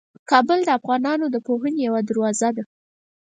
کابل د افغانانو د پوهنې یوه دروازه ده.